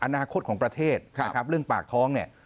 อนาคตของประเทศเรื่องปากท้อง